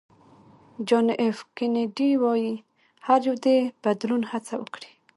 جان اېف کېنیډي وایي هر یو د بدلون هڅه وکړي.